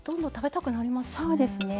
そうですね。